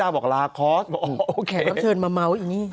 มาเชิญมาเมาอย่างนี้